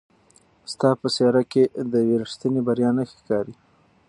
ستا په څېره کې د یوې رښتینې بریا نښې ښکاري.